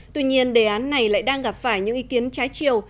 tuy nhiên đề án này lại đang gặp phải những ý kiến trái chiều